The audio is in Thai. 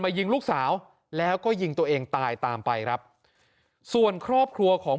ยิงลูกสาวแล้วก็ยิงตัวเองตายตามไปครับส่วนครอบครัวของ